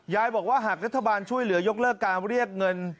บอกว่าหากรัฐบาลช่วยเหลือยกเลิกการเรียกเงิน